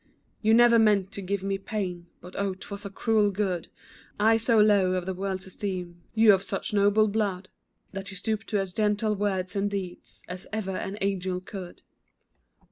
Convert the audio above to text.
You never meant to give me pain, But oh, 'twas a cruel good, I so low in the world's esteem, You of such noble blood, That you stooped to as gentle words and deeds, As ever an angel could.